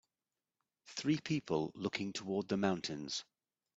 Three people looking toward the mountains.